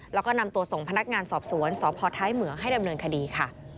แล้วก็นำตัวส่งพนักงานสอบสวนสพท้ายเหมืองให้ดำเนินคดีค่ะ